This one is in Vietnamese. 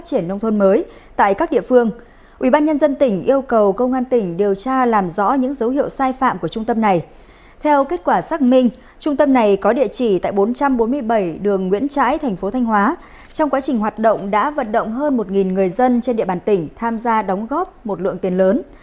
chỉ tại bốn trăm bốn mươi bảy đường nguyễn trãi tp thanh hóa trong quá trình hoạt động đã vận động hơn một người dân trên địa bàn tỉnh tham gia đóng góp một lượng tiền lớn